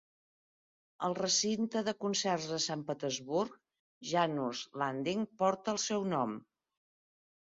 El recinte de concerts de Sant Petersburg Jannus Landing porta el seu nom.